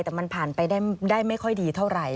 แต่มันผ่านไปได้ไม่ค่อยดีเท่าไหร่